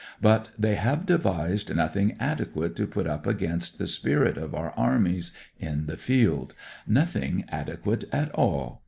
But they have devised nothing adequate to put up against the spirit of our armies in the field ; nothing adequate at all.